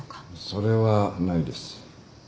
それはないです。